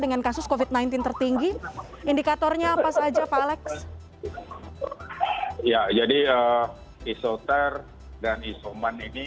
dengan kasus covid sembilan belas tertinggi indikatornya pas aja falex ya jadi iso ter dan isoman ini